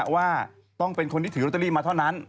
ว่าต้องเป็นคนที่ถือลอตเตอรี่มาเท่านั้น